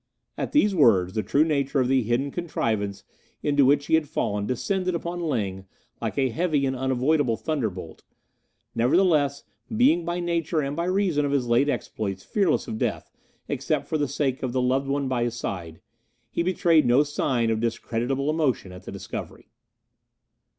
At these words the true nature of the hidden contrivance into which he had fallen descended upon Ling like a heavy and unavoidable thunderbolt. Nevertheless, being by nature and by reason of his late exploits fearless of death, except for the sake of the loved one by his side, he betrayed no sign of discreditable emotion at the discovery.